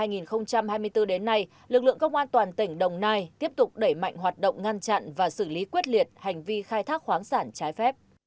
năm hai nghìn hai mươi bốn đến nay lực lượng công an toàn tỉnh đồng nai tiếp tục đẩy mạnh hoạt động ngăn chặn và xử lý quyết liệt hành vi khai thác khoáng sản trái phép